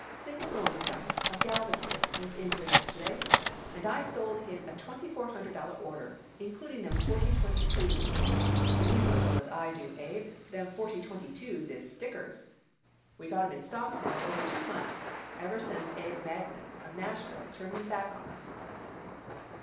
Siegmund Lowenstein, of Galveston, was in here yesterday, and I sold him a twenty four hundred dollar order, including them forty twenty two's, and you know as well as I do, Abe, them forty twenty two's is stickers. We got 'em in stock now over two months, ever since Abe Magnus, of Nashville, turned 'em back on us."